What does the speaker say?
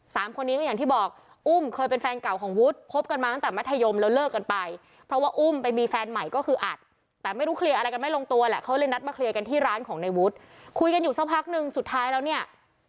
สามคนนี้ก็อย่างที่บอกอุ้มเคยเป็นแฟนเก่าของวุฒิคบกันมาตั้งแต่มัธยมแล้วเลิกกันไปเพราะว่าอุ้มไปมีแฟนใหม่ก็คืออัดแต่ไม่รู้เคลียร์อะไรกันไม่ลงตัวแหละเขาเลยนัดมาเคลียร์กันที่ร้านของในวุฒิคุยกันอยู่สักพักนึงสุดท้ายแล้วเนี่ย